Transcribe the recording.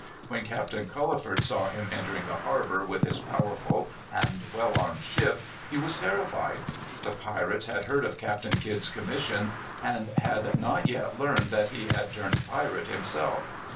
When Captain Culliford saw him entering the harbor with his powerful and well armed ship, he was terrified. The pirates had heard of Captain Kidd's commission, and had not yet learned that he had turned pirate himself.